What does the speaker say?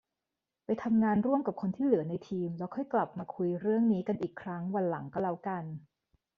ไปทำงานร่วมกับคนที่เหลือในทีม แล้วค่อยกลับมาคุยเรื่องนี้กันอีกครั้งวันหลังก็แล้วกัน